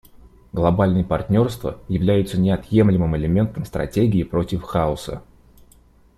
Глобальные партнерства являются неотъемлемым элементом стратегии против хаоса.